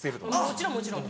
もちろんもちろん。